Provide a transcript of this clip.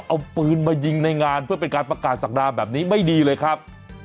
เอาปืนมายิงในงานเพื่อเป็นการประกาศศักดาแบบนี้ไม่ดีเลยครับ